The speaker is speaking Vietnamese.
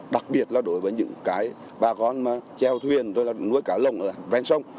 đặc biệt là đối với những bà con treo thuyền rồi là nuôi cá lồng ở bên sông